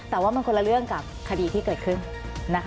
แต่ว่ามันคนละเรื่องกับคดีที่เกิดขึ้นนะคะ